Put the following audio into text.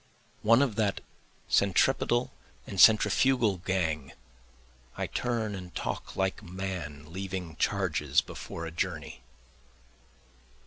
One of that centripetal and centrifugal gang I turn and talk like man leaving charges before a journey.